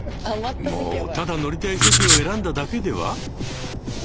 もうただ乗りたい席を選んだだけでは？